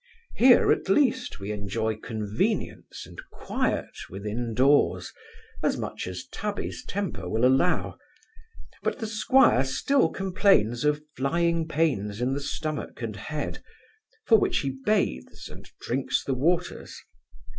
Here, at least, we enjoy convenience and quiet within doors, as much as Tabby's temper will allow; but the squire still complains of flying pains in the stomach and head, for which he bathes and drinks the waters.